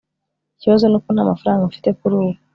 ikibazo nuko ntamafaranga mfite kuri ubu